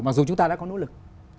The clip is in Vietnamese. mặc dù chúng ta đã có nỗ lực